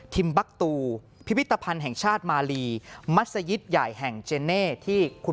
บักตูพิพิธภัณฑ์แห่งชาติมาลีมัศยิตใหญ่แห่งเจเน่ที่คุณ